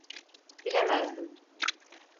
Bilemezdim.